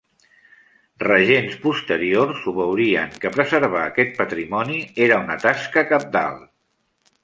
Regents posteriors ho veurien que preservar aquest patrimoni era una tasca cabdal.